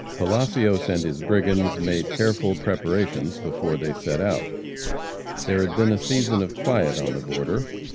Palacios and his brigands made careful preparations before they set out. There had been a season of quiet on the border.